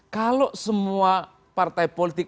kalau semua partai politik